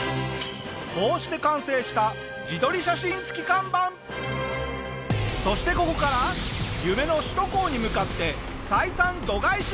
こうして完成したそしてここから夢の首都高に向かって採算度外視！